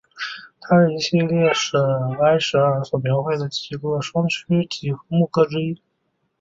它是一系列埃舍尔所描绘的四个双曲几何木刻之一。